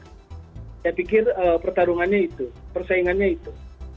saya pikir pertarungannya itu persaingannya itu